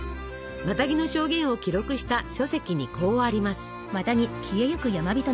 マタギの証言を記録した書籍にこうあります。